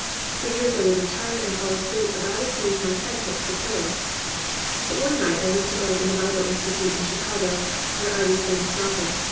For years I would retire and fall asleep about as soon as my head touched the pillow. But one night I went to bed in the Bible Institute in Chicago where I was then stopping.